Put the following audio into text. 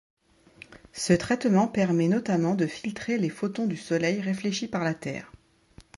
Ce traitement permet notamment de filtrer les photons du Soleil réfléchis par la Terre.